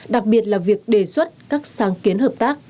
đặc biệt là việc đề xuất các sáng kiến hợp tác